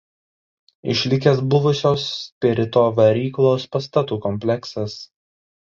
Išlikęs buvusios spirito varyklos pastatų kompleksas.